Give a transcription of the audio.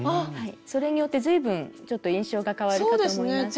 それによって随分ちょっと印象が変わるかと思います。